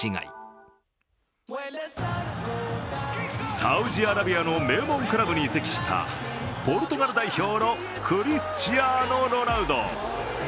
サウジアラビアの名門クラブに移籍したポルトガル代表のクリスチアーノ・ロナウド。